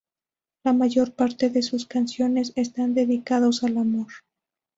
La mayor parte de sus canciones están dedicados al amor.